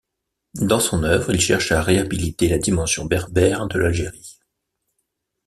Dans son œuvre, il cherche à réhabiliter la dimension berbère de l'Algérie.